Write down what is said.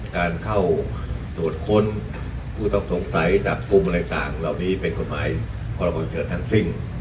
การเข้าตรวจค้นผู้ต้องสงสัยจับกลุ่มอะไรต่างเหล่านี้เป็นกฎหมายพรบฉุกเฉินทั้งสิ้น